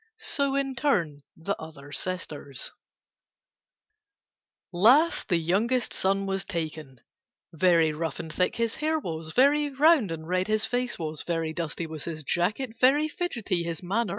So in turn the other sisters. [Picture: Last, the youngest son was taken] Last, the youngest son was taken: Very rough and thick his hair was, Very round and red his face was, Very dusty was his jacket, Very fidgety his manner.